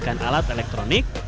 menggunakan alat elektronik